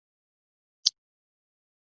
Ҳазарқәоуп, аха иуаами, нан, ирыцҳами.